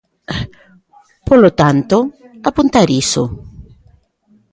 Polo tanto, apuntar iso.